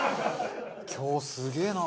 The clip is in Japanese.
今日すげえな。